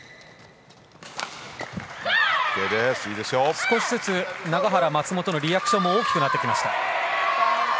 少しずつ永原、松本のリアクションも大きくなってきました。